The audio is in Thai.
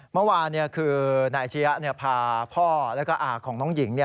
เมื่อวานคือนายอาชียะพาพ่อแล้วก็อาของน้องหญิง